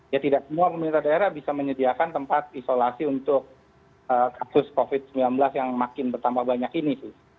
ya tidak semua pemerintah daerah bisa menyediakan tempat isolasi untuk kasus covid sembilan belas yang makin bertambah banyak ini sih